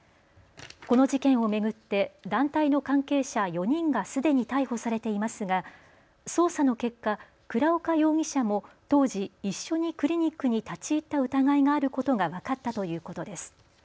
この事件を巡って団体の関係者４人がすでに逮捕されていますが捜査の結果、倉岡容疑者も当時、一緒にクリニックに立ち入った疑いがあることが分かったということです。